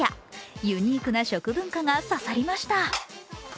ユニークな食文化が刺さりました。